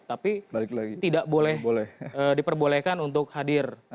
tapi tidak boleh diperbolehkan untuk hadir